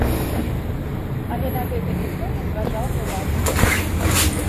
Але на гэта ніхто не зважаў увагі.